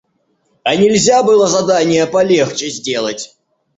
А нельзя было задания полегче сделать?